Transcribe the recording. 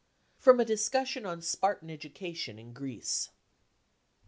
5 55 (From a discussion on Spartan education in Greece.)